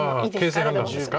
形勢判断ですか？